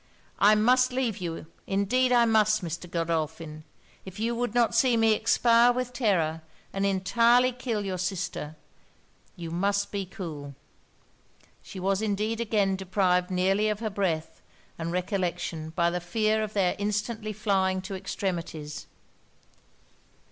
I must leave you, indeed I must, Mr. Godolphin! if you would not see me expire with terror, and entirely kill your sister, you must be cool.' She was indeed again deprived nearly of her breath and recollection by the fear of their instantly flying to extremities.